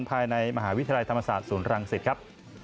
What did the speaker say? ภายในมหาวิทยาลัยธรรมศาสตร์ศูนย์รังสิตครับ